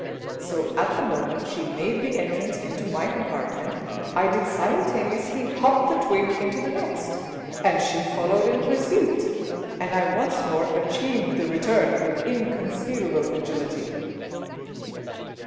So, at the moment she made the entrance into my compartment, I did simultaneously hop the twig into the next, and she followed in pursuit, and I once more achieved the return with inconceivable agility.